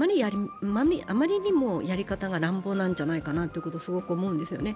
あまりにもやり方が乱暴なんじゃないかなということをすごく思うんですよね。